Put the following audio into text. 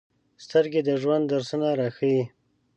سترګې د ژوند درسونه راښيي